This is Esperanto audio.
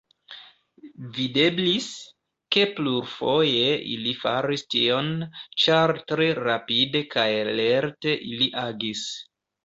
Videblis, ke plurfoje ili faris tion, ĉar tre rapide kaj lerte ili agis.